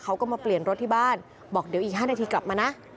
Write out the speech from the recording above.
เขาก็มาเปลี่ยนรถที่บ้านบอกเดี๋ยวอีก๕นาทีกลับมานะ